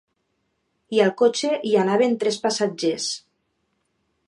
I al cotxe hi anaven tres passatgers.